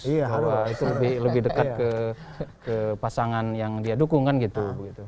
bahwa itu lebih dekat ke pasangan yang dia dukung kan gitu